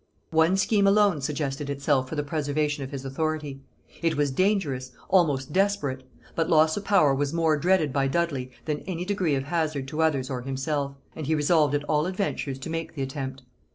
One scheme alone suggested itself for the preservation of his authority: it was dangerous, almost desperate; but loss of power was more dreaded by Dudley than any degree of hazard to others or himself; and he resolved at all adventures to make the attempt.